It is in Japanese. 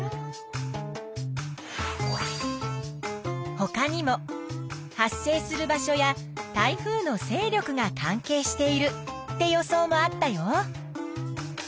ほかにも発生する場所や台風のせい力が関係しているって予想もあったよ。